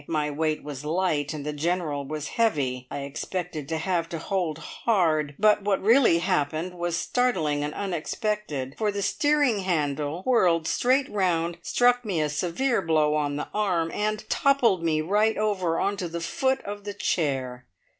My weight was light, and the General was heavy. I expected to have to hold hard, but what really happened was startling and unexpected, for the steering handle whirled straight round, struck me a severe blow on the arm, and toppled me right over on to the foot of the chair!